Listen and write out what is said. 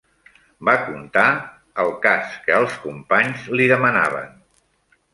Va contar, el cas que els companys li demanaven.